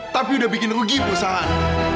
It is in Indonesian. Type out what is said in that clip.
tapi udah bikin rugi bu saan